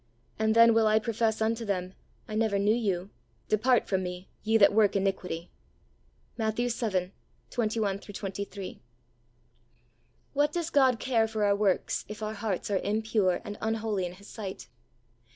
And then will I profess unto them, I never knew you, depart from Me, ye that work iniquity" {Matt. vii. 21 23). W'hat does God care for our works if our hearts are impure and unholy in His sight